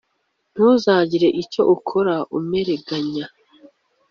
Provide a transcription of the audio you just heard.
ntuzagire icyo ukora umurenganya.